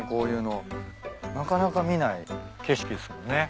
なかなか見ない景色っすもんね。